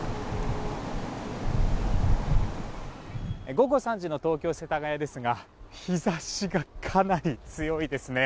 午後３時の東京・世田谷ですが日差しがかなり強いですね。